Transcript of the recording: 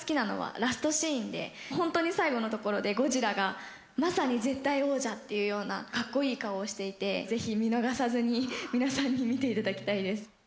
本当に最後のところでゴジラがまさに絶対王者っていう顔をしていて見逃さずに見ていただきたいです。